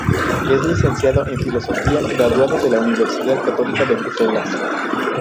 Es licenciado en filosofía, graduado de la Universidad Católica de Bruselas.